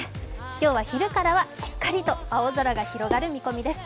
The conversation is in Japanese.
今日は昼からはしっかりと青空が広がる見込みです。